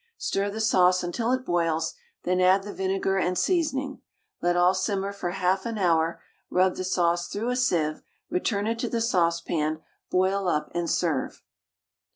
Stir the sauce until it boils, then add the vinegar and seasoning. Let all simmer for 1/2 an hour, rub the sauce through a sieve, return it to the saucepan, boil up, and serve.